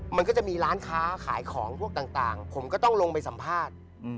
มันก็จะมีร้านค้าขายของพวกต่างผมก็ต้องลงไปสัมภาษณ์